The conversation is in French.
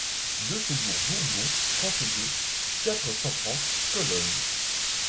deux faubourg Bourbon, trente-deux, quatre cent trente, Cologne